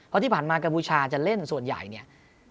พอที่ผ่านมากระบูชาจะเล่นส่วนใหญ่